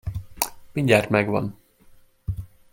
Mindjárt megvan.